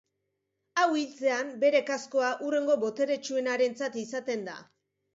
Hau hiltzean, bere kaskoa hurrengo boteretsuenarentzat izaten da.